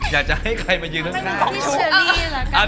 อยากจะให้ใครมายืนต้องการ